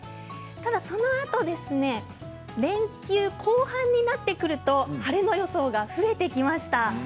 ただ、そのあと連休後半になってくると晴れの予想が増えてきました。